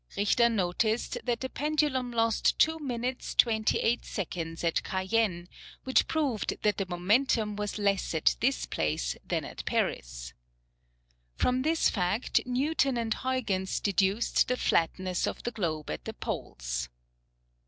Richter noticed that the pendulum lost two minutes, twenty eight seconds at Cayenne, which proved that the momentum was less at this place than at Paris. From this fact, Newton and Huyghens deduced the flatness of the Globe at the Poles.